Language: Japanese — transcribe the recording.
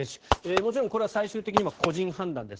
もちろん、これは最終的には個人判断です。